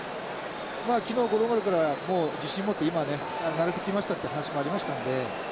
まあ昨日五郎丸からもう自信持って今はね慣れてきましたっていう話もありましたんで。